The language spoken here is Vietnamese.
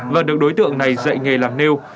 và được đối tượng này dạy nghề làm nêu